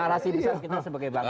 narasi besar kita sebagai bangsa